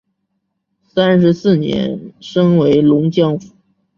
三十四年升为龙江府。